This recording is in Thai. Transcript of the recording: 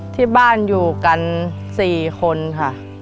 ที่บ้านอยู่กัน๔คนค่ะ